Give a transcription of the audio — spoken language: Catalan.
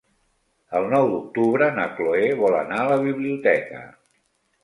El nou d'octubre na Chloé vol anar a la biblioteca.